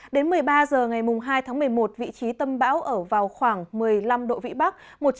đến một mươi ba h ngày hai tháng một mươi một vị trí tâm bão ở vào khoảng một mươi năm độ vĩ bắc